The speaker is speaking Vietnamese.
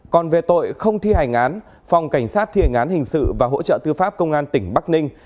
còn về tội không thi hành án phòng cảnh sát thiền án hình sự và hỗ trợ tư pháp công an tỉnh bắc ninh